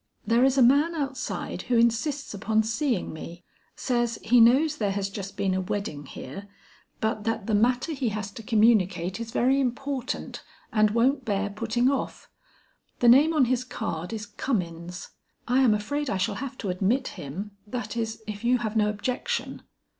"There is a man outside who insists upon seeing me; says he knows there has just been a wedding here, but that the matter he has to communicate is very important, and won't bear putting off. The name on his card is Cummins; I am afraid I shall have to admit him, that is, if you have no objection?"